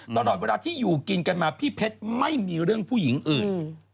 ตลอดเวลาที่อยู่กินกันมาพี่เพชรไม่มีเรื่องผู้หญิงอื่น